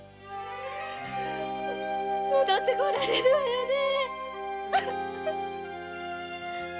戻って来られるわよね。